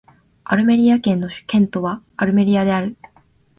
アルメリア県の県都はアルメリアである